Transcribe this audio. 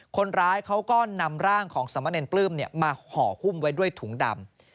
คนร้ายเขาก็นำร่างของสมเนรปลื้มมาห่อหุ้มไว้ด้วยถุงดำ